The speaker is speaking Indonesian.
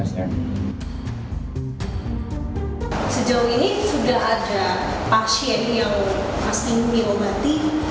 sejauh ini sudah ada pasien yang masih diobati